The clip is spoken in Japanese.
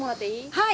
はい！